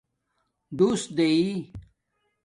ڈݸس دینئئ